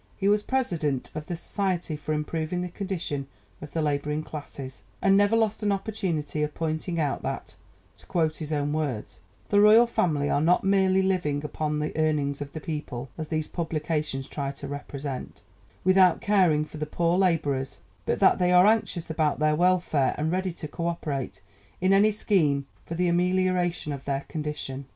He was President of the Society for Improving the Condition of the Labouring Classes, and never lost an opportunity of pointing out that, to quote his own words, "the Royal Family are not merely living upon the earnings of the people (as these publications try to represent) without caring for the poor labourers, but that they are anxious about their welfare, and ready to co operate in any scheme for the amelioration of their condition.